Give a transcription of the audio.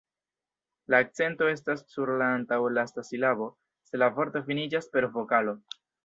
La akcento estas sur la antaŭlasta silabo, se la vorto finiĝas per vokalo.